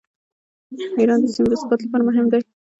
ایران د سیمې د ثبات لپاره مهم دی.